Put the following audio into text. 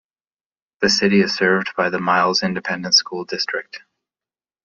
The city is served by the Miles Independent School District.